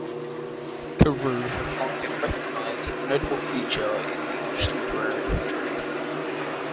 Carew has long been recognized as a notable figure in English literary history.